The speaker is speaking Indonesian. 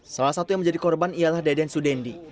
salah satu yang menjadi korban ialah deden sudendi